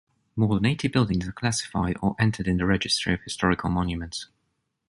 More than eighty buildings are classified or entered in the registry of historical monuments.